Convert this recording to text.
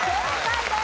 正解です。